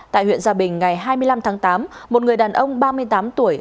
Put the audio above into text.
tại huyện gia bình ngày hai mươi năm tháng tám một người đàn ông ba mươi tám tuổi